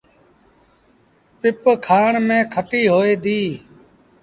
پپ کآڻ ميݩ کٽيٚ هوئي ديٚ۔